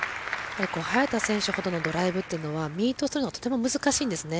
早田選手ほどのドライブというのはミートするのがとても難しいんですね。